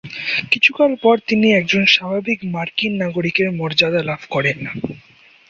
কিছুকাল পর তিনি একজন স্বাভাবিক মার্কিন নাগরিকের মর্যাদা লাভ করেন।